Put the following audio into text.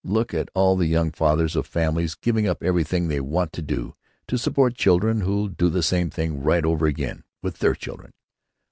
Look at all the young fathers of families, giving up everything they want to do, to support children who'll do the same thing right over again with their children.